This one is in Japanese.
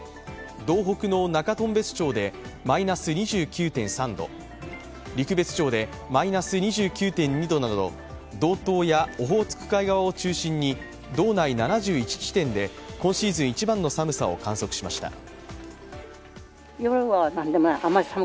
道北の中頓別町でマイナス２９．３度、陸別町でマイナス２９．２度などの道東やオホーツク海側を中心に道内７１地点で今シーズン一番の寒さを観測しました。